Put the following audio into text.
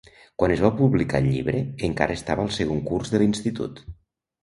Quan es va publicar el llibre, encara estava al segon curs de l'institut.